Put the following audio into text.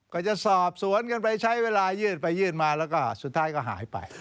ก็จะสอบสวนกันไปใช้เวลายื่นไปยื่นมาแล้วก็สุดท้ายก็หายไป